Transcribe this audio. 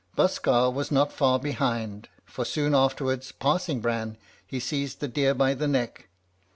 Buskar was not far behind, for soon afterwards passing Bran, he seized the deer by the neck.